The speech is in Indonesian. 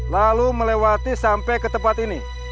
lalu melewati sampai ke tempat ini